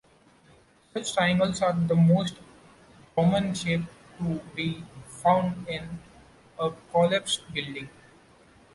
Such triangles are the most common shape to be found in a collapsed building.